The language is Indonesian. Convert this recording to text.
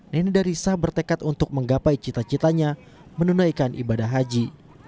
nenek dari sah bertekad untuk menggapai cita citanya menunaikan ibadah haji